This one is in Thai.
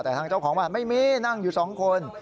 แต่ทางเจ้าของบ้านไม่มีนั่งอยู่สองคน